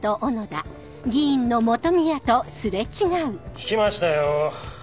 聞きましたよ。